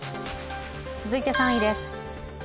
続いて、３位です。